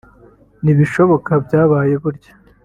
ntibishoboka byabaye burya